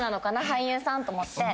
俳優さんと思って。